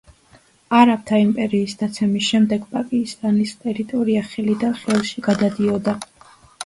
არაბთა იმპერიის დაცემის შემდეგ, პაკისტანის ტერიტორია ხელიდან ხელში გადადიოდა.